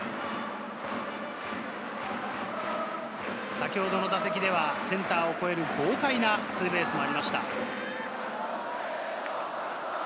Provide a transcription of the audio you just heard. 先ほどの打席ではセンターを越える豪快なツーベースがありました。